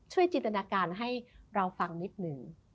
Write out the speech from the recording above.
จินตนาการให้เราฟังนิดหนึ่ง